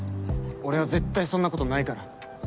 俺は絶対そんなことないから。